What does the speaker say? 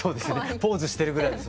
ポーズしてるぐらいです。